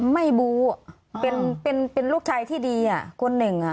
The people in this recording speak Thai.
ไม่รู้เป็นลูกชายที่ดีคนหนึ่ง